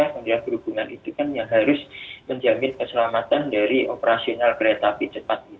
kementerian perhubungan itu kan yang harus menjamin keselamatan dari operasional kereta api cepat ini